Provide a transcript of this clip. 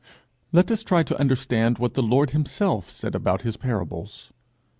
Let us try to understand what the Lord himself said about his parables.